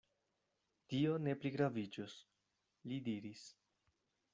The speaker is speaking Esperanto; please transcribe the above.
Tio ne pligraviĝos, li diris.